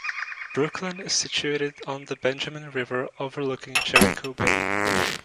Brooklin is situated on the Benjamin River overlooking Jericho Bay.